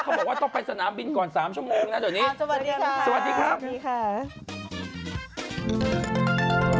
เขาบอกว่าต้องไปสนามบินก่อน๓ชั่วโมงนะตอนนี้